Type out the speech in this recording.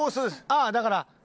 ああだから。